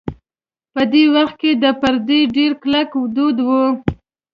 په دې وخت کې د پردې ډېر کلک دود و.